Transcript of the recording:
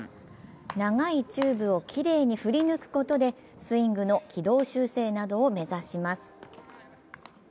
長いチューブをきれいに振り抜くことでスイングの軌道修正などを目指します。